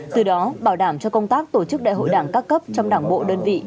từ đó bảo đảm cho công tác tổ chức đại hội đảng các cấp trong đảng bộ đơn vị